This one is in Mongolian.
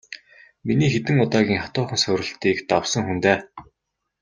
Миний хэдэн удаагийн хатуухан сорилтыг давсан хүн дээ.